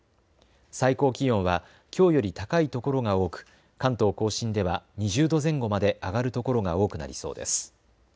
最高気温はきょうより高い所が多く関東甲信では２０度前後まで上がる所が多くなりそうです。